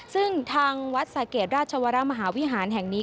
ซึ่งทางวัดสะเกดราชวรมหาวิหารแห่งนี้